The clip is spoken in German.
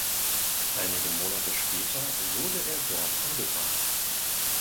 Einige Monate später wurde er dort umgebracht.